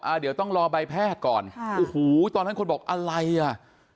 เดี๋ยวต้องรอใบแพทย์ก่อนค่ะโอ้โหตอนนั้นคนบอกอะไรอ่ะ